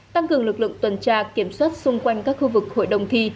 tăng cường lực lượng tuần tra kiểm soát xung quanh các khu vực hội đồng thi